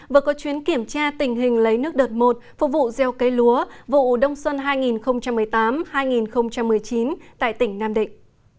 vừa có chuyến kiểm tra tình hình lấy nước đợt một phục vụ gieo cây lúa vụ đông xuân hai nghìn một mươi tám hai nghìn một mươi chín tại tỉnh nam định